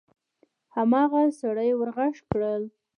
هماغه سړي ور غږ کړل: